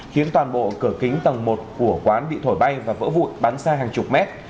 khiến toàn bộ cửa kính tầng một của quán bị thổi bay và vỡ vụn bắn xa hàng chục mét